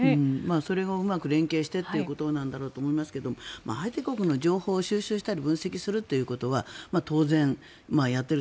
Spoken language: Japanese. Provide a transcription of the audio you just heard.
それをうまく連携してということなんだろうと思いますが相手国の情報を収集したり分析するということは当然、やっている。